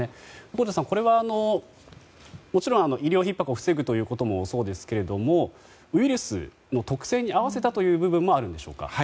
横手さん、これはもちろん医療ひっ迫を防ぐということもそうですけれどもウイルスの特性に合わせたという部分もあるんでしょうか？